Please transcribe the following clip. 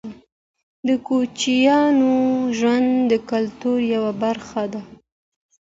د کوچیانو ژوند د کلتور یوه برخه ده.